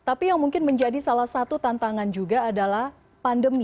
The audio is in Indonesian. tapi yang mungkin menjadi salah satu tantangan juga adalah pandemi